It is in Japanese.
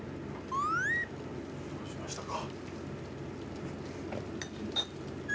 どうしましたか？